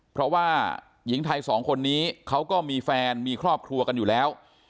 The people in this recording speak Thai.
เพราะว่าหญิงไทยสองคนนี้เขาก็มีแฟนมีครอบครัวกันอยู่แล้ว